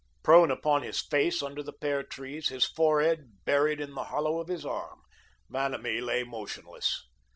Prone upon his face, under the pear trees, his forehead buried in the hollow of his arm, Vanamee lay motionless.